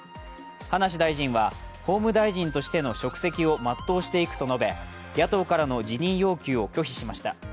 葉梨大臣は、法務大臣としての職責を全うしていくと述べ、野党からの辞任要求を拒否しました。